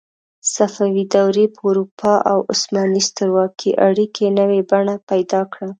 صفوي دورې په اروپا او عثماني سترواکۍ اړیکې نوې بڼه پیدا کړه.